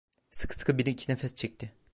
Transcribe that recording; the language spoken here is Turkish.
Sıkı sıkı bir iki nefes çekti.